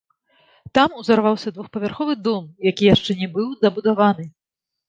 Там узарваўся двухпавярховы дом, які яшчэ не быў дабудаваны.